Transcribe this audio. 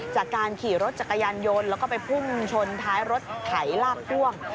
จากการขี่รถจักรยานยนต์แล้วก็ไปพุ่งชนท้ายรถไถลากพ่วง